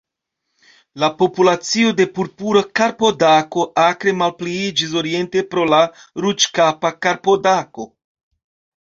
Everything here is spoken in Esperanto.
La populacio de Purpura karpodako akre malpliiĝis oriente pro la Ruĝkapa karpodako.